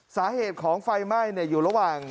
สาเหตุของไฟไหม้อยู่ระหว่าง